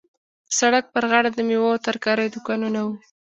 د سړک پر غاړه د میوو او ترکاریو دوکانونه وو.